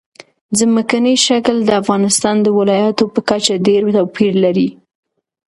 ځمکنی شکل د افغانستان د ولایاتو په کچه ډېر توپیر لري.